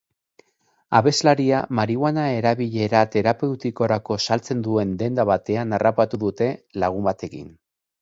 Abeslaria marihuana erabilera terapeutikorako saltzen duen denda batean harrapatu dute, lagun batekin.